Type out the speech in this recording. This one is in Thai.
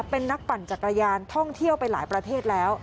เป็นนักปั่นจักรยานท่องเที่ยวไปหลายประเทศแล้ว